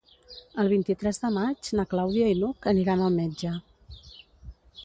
El vint-i-tres de maig na Clàudia i n'Hug aniran al metge.